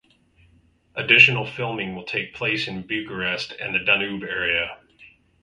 Additional filming will take place in Bucharest and the Danube area.